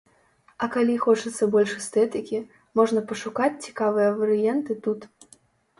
А калі хочацца больш эстэтыкі, можна пашукаць цікавыя варыянты тут.